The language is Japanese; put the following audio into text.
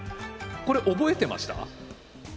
これ覚えてました？